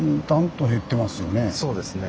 そうですね。